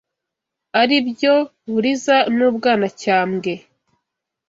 aribyo Buliza n’ u Bwanacyambwe